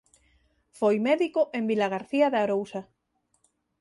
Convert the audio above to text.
Foi médico en Vilagarcía de Arousa.